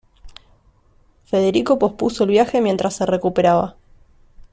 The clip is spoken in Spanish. Federico pospuso el viaje mientras se recuperaba.